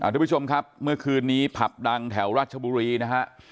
ทุกผู้ชมครับเมื่อคืนนี้ผับดังแถวราชบุรีนะฮะ